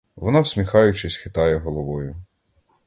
Вона всміхаючись хитає головою.